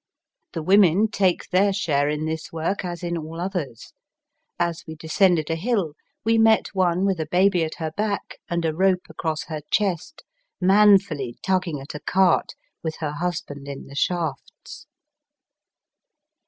The women take their share in this work as in all others. As we descended a hill we met one with a baby at her back and a rope across her chest manfully tugging at a cart with her husband in the shafts.